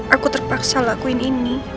aku terpaksa lakuin ini